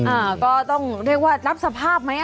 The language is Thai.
อ่าก็ต้องเรียกว่ารับสภาพไหม